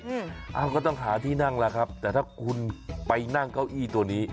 อ้าวก็ต้องหาที่นั่งแล้วครับแต่ถ้าคุณไปนั่งเก้าอี้ตัวนี้